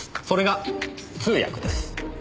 それが通訳です。